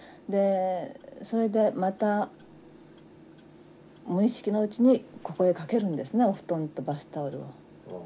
でそれでまた無意識のうちにここへ掛けるんですねお布団とバスタオルを。